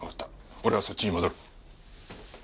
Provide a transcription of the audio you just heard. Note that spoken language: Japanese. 俺はそっちに戻る。